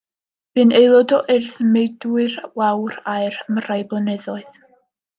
Bu'n aelod o Urdd Meudwy'r Wawr Aur am rai blynyddoedd.